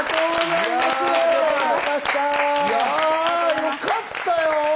いや、よかったよ！